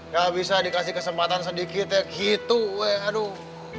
gak bisa dikasih kesempatan sedikit ya gitu weh aduh